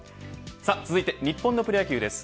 続いて日本のプロ野球です。